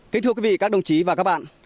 kính thưa quý vị các đồng chí và các bạn